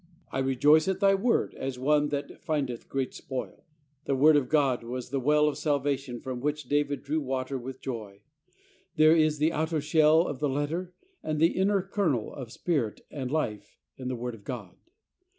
"I rejoice at Thy Word, as one that findeth great spoil." The Word of God was the well of salva tion from which David drew water with joy. There is the outer shell of the letter and the inner kernel of spirit and life in the Word of God.